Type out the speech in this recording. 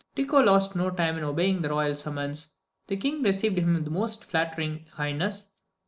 Tycho lost no time in obeying the royal summons. The King received him with the most flattering kindness.